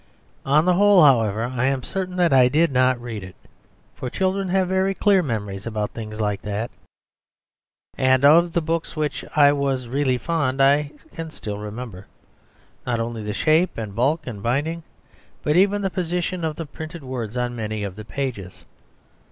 On the whole, however, I am certain that I did not read it, for children have very clear memories about things like that; and of the books which I was really fond I can still remember, not only the shape and bulk and binding, but even the position of the printed words on many of the pages.